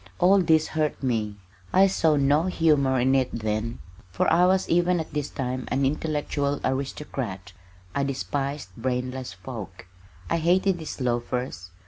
All this hurt me. I saw no humor in it then, for I was even at this time an intellectual aristocrat. I despised brainless folk. I hated these loafers.